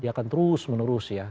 dia akan terus menerus ya